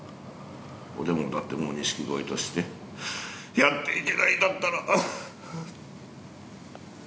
でもだって錦鯉としてやっていけないんだったら。